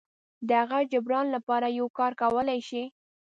د هغه جبران لپاره یو کار کولی شي.